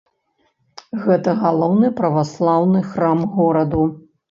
Гэта галоўны праваслаўны храм гораду.